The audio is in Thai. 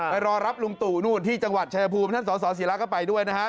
รอรับลุงตู่นู่นที่จังหวัดชายภูมิท่านสสิระก็ไปด้วยนะฮะ